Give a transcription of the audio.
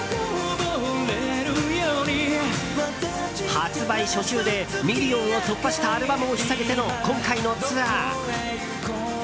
発売初週でミリオンを突破したアルバムを引っ提げての今回のツアー。